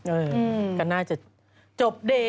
เออกันน่าจะจบเด่น